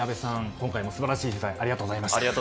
今回も素晴らしい取材ありがとうございました。